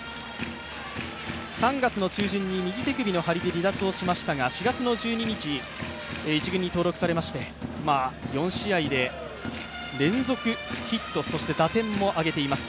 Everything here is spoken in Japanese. ３月の中旬に、右手首の張りで離脱しましたが、４月１２日、１軍に登録されまして４試合で連続ヒットそして打点も挙げています。